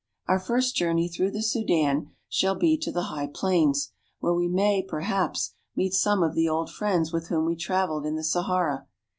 Our first journey through the Sudan shall be to the high plains, where we may, perhaps, meet some of the old friends with whom we traveled in the Sahara.